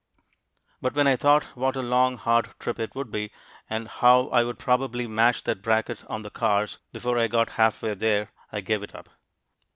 But when I thought what a long, hard trip it would be, and how I would probably mash that bracket on the cars before I got half way there, I gave it up.